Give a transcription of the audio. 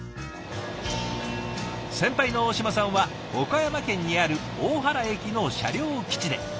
先輩の大島さんは岡山県にある大原駅の車両基地で。